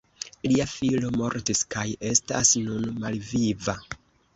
Lia filo mortis kaj estas nun malviva.